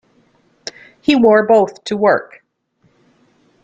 He wore both to work.